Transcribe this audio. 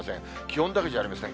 気温だけじゃありません。